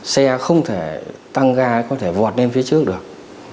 xe không thể tăng ga có thể vọt lên phía trước được